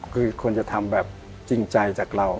คือควรจะทำแบบจริงใจจากเรา